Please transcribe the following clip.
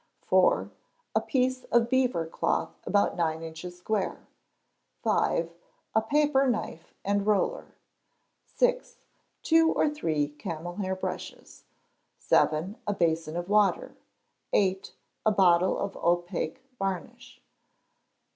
iv. A piece of beaver cloth about nine inches square. v. A paper knife and roller. vi. Two or three camel hair brushes. vii. A basin of water. viii. A bottle of opaque varnish.